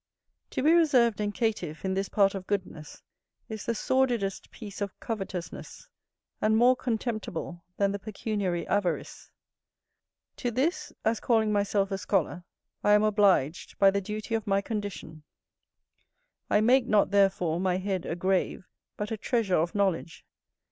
To be reserved and caitiff in this part of goodness is the sordidest piece of covetousness, and more contemptible than the pecuniary avarice. To this (as calling myself a scholar) I am obliged by the duty of my condition. I make not therefore my head a grave, but a treasure of knowledge.